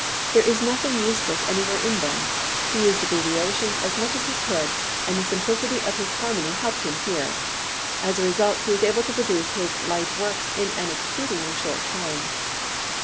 There is nothing useless anywhere in them. He used abbreviations as much as he could and the simplicity of his harmony helped him here. As a result he was able to produce his light works in an exceedingly short time.